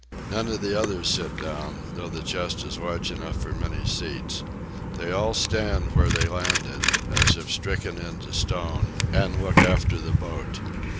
None of the others sit down, though the chest is large enough for many seats. They all stand where they landed, as if stricken into stone; and look after the boat.